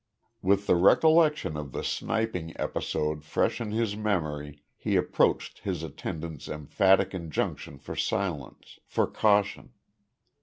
With the recollection of the sniping episode fresh in his memory, he appreciated his attendant's emphatic injunction for silence, for caution.